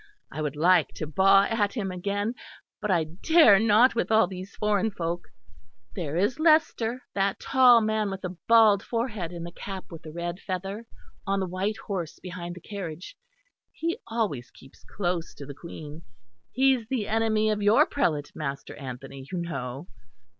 I would like to baa at him again, but I dare not with all these foreign folk. There is Leicester, that tall man with a bald forehead in the cap with the red feather, on the white horse behind the carriage he always keeps close to the Queen. He is the enemy of your prelate, Master Anthony, you know....